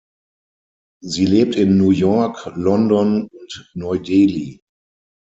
Sie lebt in New York, London und Neu-Delhi.